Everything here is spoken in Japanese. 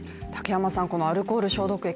このアルコール消毒液